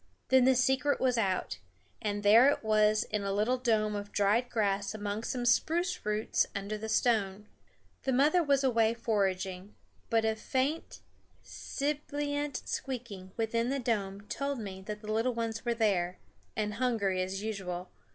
Then the secret was out, and there it was in a little dome of dried grass among some spruce roots under the stone. The mother was away foraging, but a faint sibilant squeaking within the dome told me that the little ones were there, and hungry as usual.